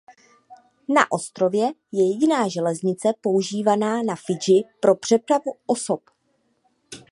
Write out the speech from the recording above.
Na ostrově je jediná železnice používaná na Fidži pro přepravu osob.